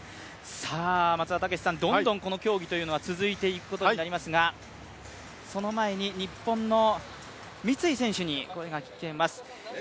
さあ松田丈志さん、どんどんこの競技が続いていくことになりますがその前に日本の三井選手の声が聞けます。